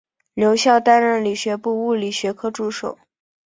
留校担任理学部物理学科助手。